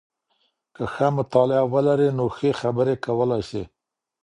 که ښه مطالعه ولرئ نو ښه خبري کولای سئ.